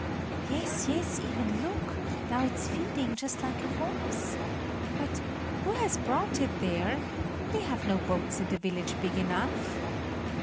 "Yes, yes, Iven; look, now it's feeding just like a horse! But who has brought it there we have no boats in the village big enough!